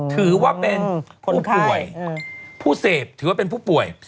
ถือว่าเป็นผู้ป่วยผู้เสพถือว่าเป็นผู้ป่วย